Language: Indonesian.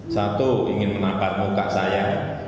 satu ingin menampar muka saya